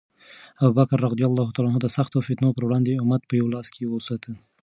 ابوبکر رض د سختو فتنو پر وړاندې امت په یو لاس کې وساته.